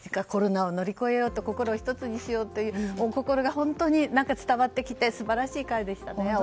コロナを乗り越えよう心を１つにしようというお心が伝わってきて素晴らしい会でしたね。